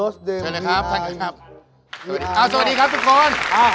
สวัสดีครับทุกคน